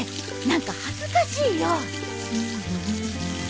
何か恥ずかしいよ！